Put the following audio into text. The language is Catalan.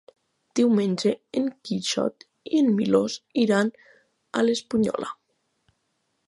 Diumenge en Quixot i en Milos iran a l'Espunyola.